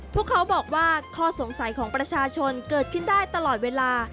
พวกเขาบอกว่าข้อสงสัยของประชาชนเกิดขึ้นได้ตลอดเวลา